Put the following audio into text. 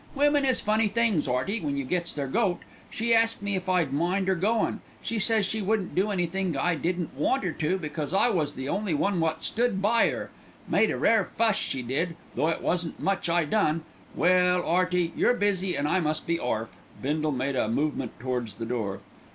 Women is funny things, 'Earty, when you gets their goat. She asked me if I'd mind 'er goin'. Says she wouldn't do anythink I didn't want 'er to, because I was the only one wot stood by 'er. Made a rare fuss, she did, though it wasn't much I done. Well, 'Earty, you're busy, an' I must be orf." Bindle made a movement towards the door.